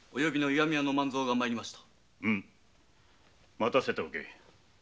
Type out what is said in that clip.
うむ待たせておけ。